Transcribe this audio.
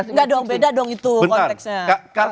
nggak dong beda dong itu konteksnya